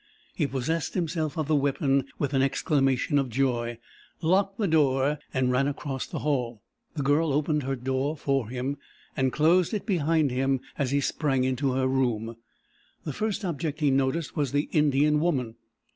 He possessed himself of the weapon with an exclamation of joy, locked the door, and ran across the hall. The Girl opened her door for him, and closed it behind him as he sprang into her room. The first object he noticed was the Indian woman.